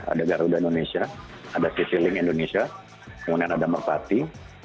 ada garuda indonesia ada citylink indonesia kemudian ada merpati